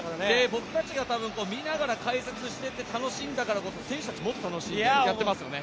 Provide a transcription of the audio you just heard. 僕たちが見ながら解説して楽しんだからこそ選手たちはもっと楽しくやっていますよね。